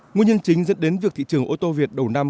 nguyên nhân chính dẫn đến việc thị trường ô tô việt đầu năm